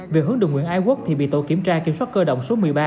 về hướng đồng nguyễn ai quốc thì bị tội kiểm tra kiểm soát cơ động số một mươi ba